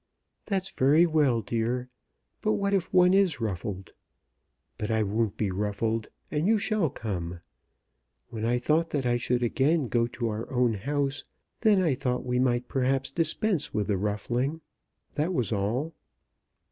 "That's very well, dear; but what if one is ruffled? But I won't be ruffled, and you shall come. When I thought that I should go again to our own house, then I thought we might perhaps dispense with the ruffling; that was all."